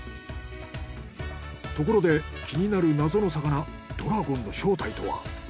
ところで気になる謎の魚ドラゴンの正体とは。